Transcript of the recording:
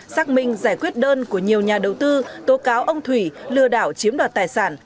xác minh giải quyết đơn của nhiều nhà đầu tư tố cáo ông thủy lừa đảo chiếm đoạt tài sản